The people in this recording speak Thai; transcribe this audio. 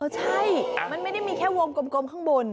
ใช่มันไม่ได้มีแค่วงกลมข้างบน